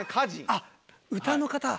あっ歌の方。